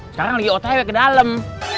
sekarang lagi otaknya ke dalam